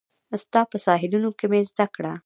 ستا په ساحلونو کې مې زده کړه